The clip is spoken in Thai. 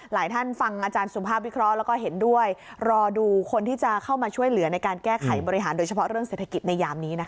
ท่านฟังอาจารย์สุภาพวิเคราะห์แล้วก็เห็นด้วยรอดูคนที่จะเข้ามาช่วยเหลือในการแก้ไขบริหารโดยเฉพาะเรื่องเศรษฐกิจในยามนี้นะคะ